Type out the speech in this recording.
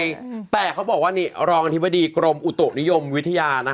เราก็บอกว่าลองอธิบดีกรมอุตุนิยมวิทยา